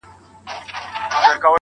ستـا له خندا سره خبري كـوم.